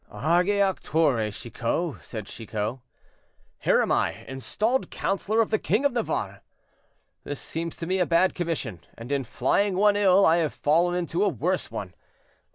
"Age auctore Chicot," said Chicot, "here am I, installed counselor of the king of Navarre! This seems to me a bad commission, and in flying one ill, I have fallen into a worse one.